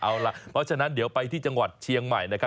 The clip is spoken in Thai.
เอาล่ะเพราะฉะนั้นเดี๋ยวไปที่จังหวัดเชียงใหม่นะครับ